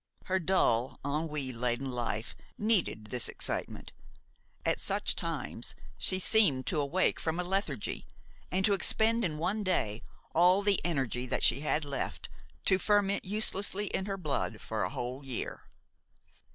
Her dull, ennui laden life needed this excitement; at such times she seemed to wake from a lethargy and to expend in one day all the energy that she had left to ferment uselessly in her blood for a whole year.